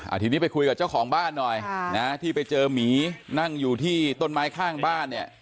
ทีนี้ไปคุยกับเจ้าของบ้านหน่อยค่ะนะที่ไปเจอหมีนั่งอยู่ที่ต้นไม้ข้างบ้านเนี่ย